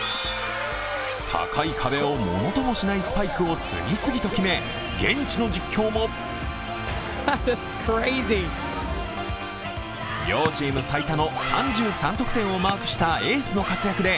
高い壁をものともしないスパイクを次々と決め現地の実況も両チーム最多の３３得点をマークしたエースの活躍で、